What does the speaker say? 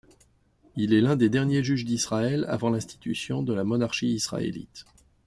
Il est l'un des derniers Juges d'Israël avant l'institution de la monarchie israélite.